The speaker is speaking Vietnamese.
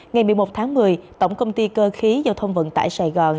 ngày một mươi một tháng một mươi tổng công ty cơ khí giao thông vận tải sài gòn